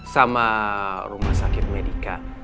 sama rumah sakit medika